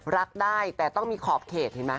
รักได้แต่ต้องมีขอบเขตเห็นไหม